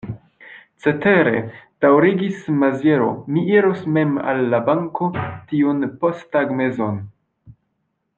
Cetere, daŭrigis Maziero, mi iros mem al la banko tiun posttagmezon.